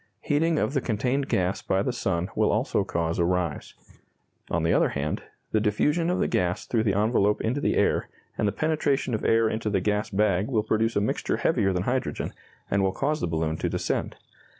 Heating of the contained gas by the sun will also cause a rise. On the other hand, the diffusion of the gas through the envelope into the air, and the penetration of air into the gas bag will produce a mixture heavier than hydrogen, and will cause the balloon to descend.